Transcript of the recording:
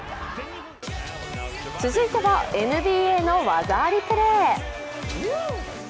続いては、ＮＢＡの技ありプレー。